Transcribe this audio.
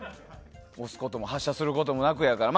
押すことも発射することもなくやから。